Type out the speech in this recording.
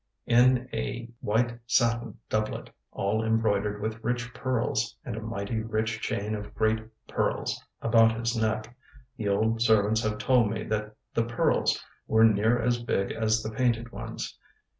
in a white sattin doublet, all embroidered with rich pearles, and a mighty rich chaine of great pearles about his neck. The old servants have told me that the pearles were neer as big as the painted ones.